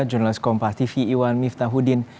jurnalis kompas tv iwan miftahudin